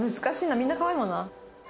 難しいなみんな可愛いもんな。